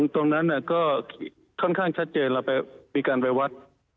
ตรงนั้นก็ค่อนข้างชัดเจนเรามีการไปวัด